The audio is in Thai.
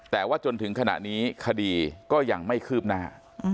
แต่ว่าจนถึงขณะนี้คดีก็ยังไม่คืบหน้า